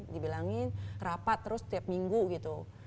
dibilangin rapat terus tiap minggu gitu